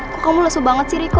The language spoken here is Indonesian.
kok kamu lesu banget sih riko